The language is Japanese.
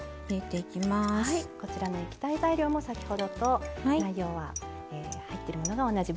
こちらの液体材料も先ほどと材料は入ってるものが同じ。